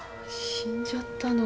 死んじゃったの。